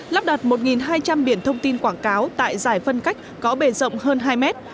lắp đặt một hai trăm linh biển thông tin quảng cáo tại giải phân cách có bề rộng hơn hai mét